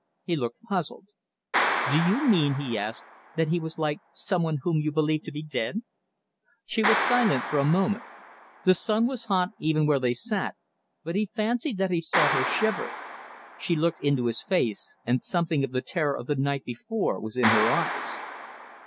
He looked puzzled. "Do you mean," he asked, "that he was like some one whom you believed to be dead?" She was silent for a moment. The sun was hot even where they sat, but he fancied that he saw her shiver. She looked into his face, and something of the terror of the night before was in her eyes.